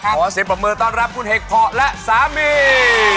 ขอเสียงปรบมือต้อนรับคุณเห็กเพาะและสามี